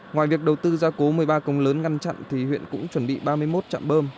ngoài việc đầu tư gia cố một mươi ba công lớn ngăn chặn thì huyện cũng chuẩn bị ba mươi một trạm bơm